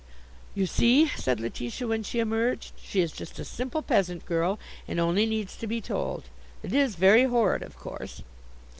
"You see," said Letitia, when she emerged, "she is just a simple peasant girl, and only needs to be told. It is very horrid, of course."